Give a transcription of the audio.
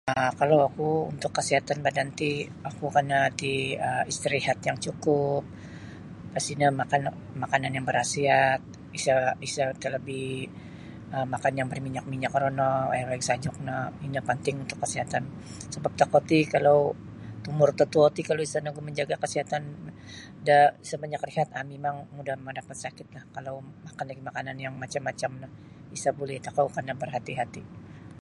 um kalau oku untuk kasihatan badan ti oku kena' ti um istirihat yang cukup lapas tino makan makanan yang berhasiat sa' isa' tarlabih um makan yang berminyak minyak rono waig-waig sajuk no ino penting untuk kasihatan sabap tokou ti kalau umur totuo ti kalau isa nogu manjaga' kasihatan da isa banyak rehat um mimang mudah mendapat sakitlah kalau makan lagi makanan yang macam-macam no isa buli tokou kena' berhati-hati'.